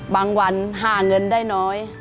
วันหาเงินได้น้อย